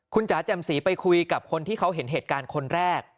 คุณจ๋าแจ่มสีไปคุยกับคนที่เขาเห็นเหตุการณ์คนแรก